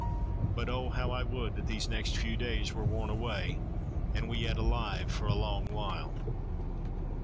But O how I would that these next few days were worn away, and we yet alive for a long while."